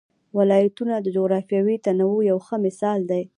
ولایتونه د جغرافیوي تنوع یو ښه مثال دی.